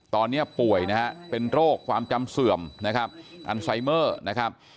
ตอนนี้ป่วยนะฮะเป็นโรคความจำเสื่อมนะครับอันไซเมอร์นะครับ